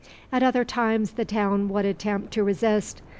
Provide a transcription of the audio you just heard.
At other times the town would attempt to resist.